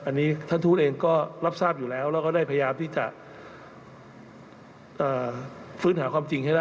อันนี้ท่านทูตเองก็รับทราบอยู่แล้วแล้วก็ได้พยายามที่จะฟื้นหาความจริงให้ได้